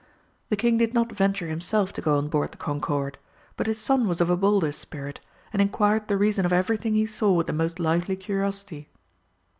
The king did not venture himself to go on board the Concorde, but his son was of a bolder spirit, and inquired the reason of everything he saw with the most lively curiosity.